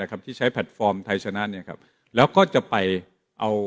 ครับที่ใช้แพลตฟอร์มไทยชนะเนี่ยครับแล้วก็จะไปเอา